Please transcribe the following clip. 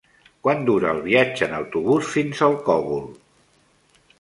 Quant dura el viatge en autobús fins al Cogul?